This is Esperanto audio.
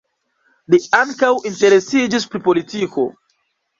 Li ankaŭ interesiĝis pri politiko.